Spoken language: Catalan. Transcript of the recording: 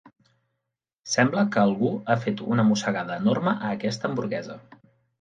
Sembla que algú ha fet una mossegada enorme a aquesta hamburguesa.